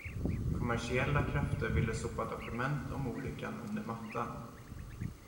Kommersiella krafter ville sopa dokument om olyckan under mattan.